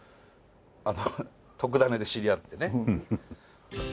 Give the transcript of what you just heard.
あの『とくダネ！』で知り合ってね。